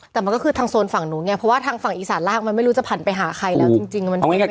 แต่มันก็คือทางโซนฝั่งหนูไงเพราะว่าทางฝั่งอีสานล่างมันไม่รู้จะผ่านไปหาใครแล้วจริง